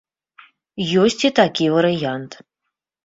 Ёсць і такі варыянт.